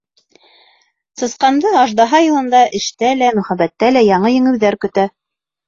Сысҡанды Аждаһа йылында эштә лә, мөхәббәттә лә яңы еңеүҙәр көтә.